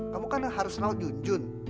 kamu kan harus raut junjun